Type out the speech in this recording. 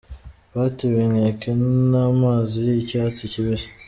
Batewe inkeke n’amazi y’icyatsi kibisi